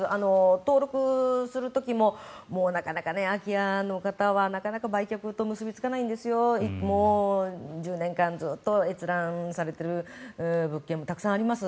登録する時ももうなかなか空き家の方は売却と結びつかないんですよとか１０年間ずっと閲覧されてる物件もたくさんあります